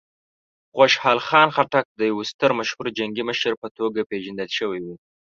خوشحال خان خټک د یوه ستر مشهوره جنګي مشر په توګه پېژندل شوی و.